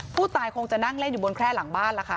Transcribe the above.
คงจะนั่งเล่นอยู่บนแคร่หลังบ้านล่ะค่ะ